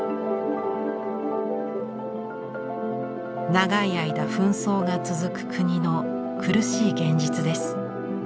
長い間紛争が続く国の苦しい現実です。